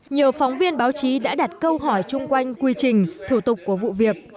nhiều phóng viên báo chí đã đặt câu hỏi chung quanh quy trình thủ tục của vụ việc